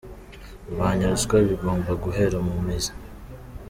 Kurwanya ruswa bigomba guhera mu mizi.